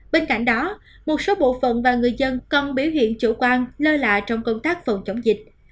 bên cạnh đó một số bộ phận và người dân còn biểu hiện chủ quan lơ lạ trong công tác phòng chống dịch